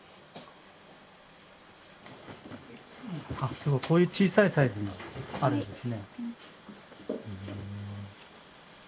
すごいこういう小さいサイズもあるんですね。